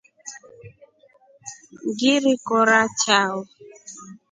Ngili kora chao.